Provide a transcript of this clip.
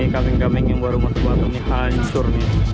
kambing kambing yang baru mati di batam hancur